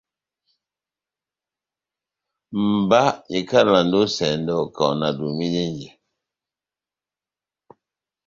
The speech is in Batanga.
Mba ikalandi ó esɛndɔ kaho nadomidɛnjɛ.